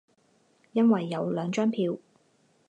因为有两张票